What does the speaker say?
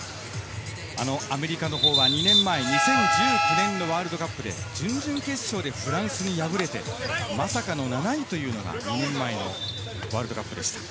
アメリカのほうは２年前、２０１９年のワールドカップで、準々決勝でフランスに敗れて、まさかの７位というのが２年前のワールドカップでした。